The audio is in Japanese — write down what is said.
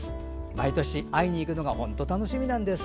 毎年会いに行くのが本当に楽しみなんです。